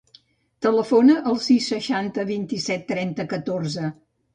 Telefona al sis, seixanta, vint-i-set, trenta, catorze.